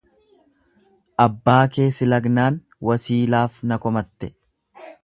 Abbaa kee si lagnaan wasiilaaf na komatte.